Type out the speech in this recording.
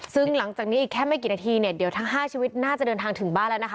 ซึ่งหลังจากนี้อีกแค่ไม่กี่นาทีเนี่ยเดี๋ยวทั้ง๕ชีวิตน่าจะเดินทางถึงบ้านแล้วนะคะ